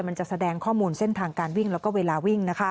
มันจะแสดงข้อมูลเส้นทางการวิ่งแล้วก็เวลาวิ่ง